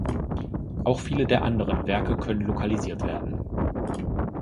Auch viele der anderen Werke können lokalisiert werden.